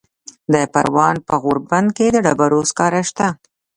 د پروان په غوربند کې د ډبرو سکاره شته.